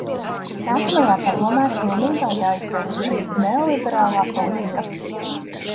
Nākamajā Padomē pilnībā jāizbeidz šī neoliberālā politika.